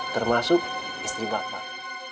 termasuk istri bapak